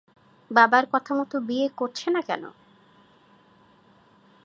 বাবার কথামতো বিয়ে করছে না কেন?